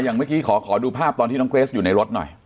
เมื่อกี้ขอดูภาพตอนที่น้องเกรสอยู่ในรถหน่อย